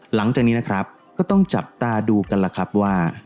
หลังจากนี้นะครับก็ต้องจับตาดูกันล่ะครับว่า